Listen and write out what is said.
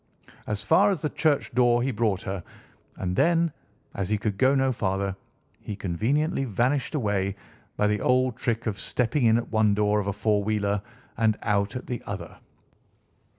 As far as the church door he brought her, and then, as he could go no farther, he conveniently vanished away by the old trick of stepping in at one door of a four wheeler and out at the other.